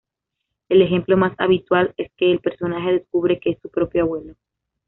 El ejemplo más habitual es que el personaje descubre que es su propio abuelo.